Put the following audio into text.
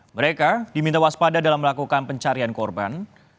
mereka diminta waspada dalam melakukan pencarian korban